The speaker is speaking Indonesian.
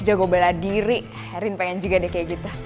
jago bela diri herin pengen juga deh kayak gitu